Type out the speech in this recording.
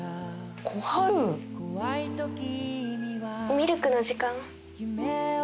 ミルクの時間。